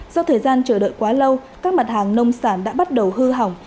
do thời gian chờ đợi quá lâu các mặt hàng nông sản đã bắt đầu hư hỏng